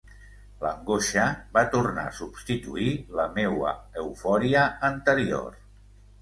L’angoixa va tornar a substituir la meua eufòria anterior.